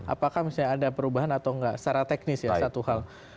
apakah misalnya ada perubahan atau enggak secara teknis ya satu hal